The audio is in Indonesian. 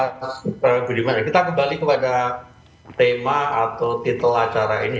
pak budiman kita kembali kepada tema atau titel acara ini